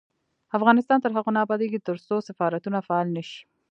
افغانستان تر هغو نه ابادیږي، ترڅو سفارتونه فعال نشي.